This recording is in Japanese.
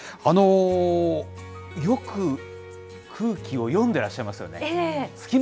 よく空気を読んでらっしゃいますよね。